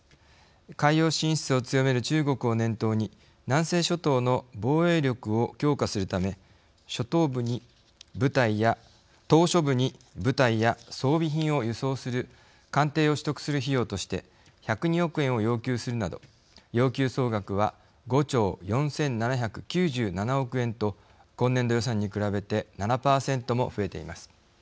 海洋進出を強める中国を念頭に南西諸島の防衛力を強化するため島しょ部に部隊や装備品を輸送する艦艇を取得する費用として１０２億円を要求するなど要求総額は５兆４７９７億円と今年度予算に比べて７％も増えています。